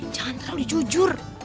jangan terlalu jujur